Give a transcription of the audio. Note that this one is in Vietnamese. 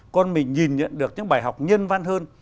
con mình nhìn nhận được những bài học nhân văn hơn